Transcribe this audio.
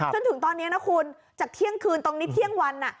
จนถึงตอนนี้นะคุณจากเที่ยงคืนตรงนี้เที่ยงวัน